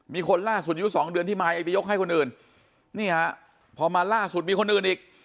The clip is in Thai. มีคนล่าสุดอยู่สองเดือนที่มายไปยกให้คนอื่นนี่ฮะพอมาล่าสุดมีคนอื่นอีก